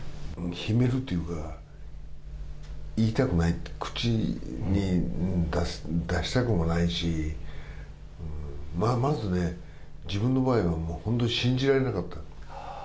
秘めるというか、言いたくない、口に出したくないもないし、まずね、自分の場合はもう本当に信じられなかった。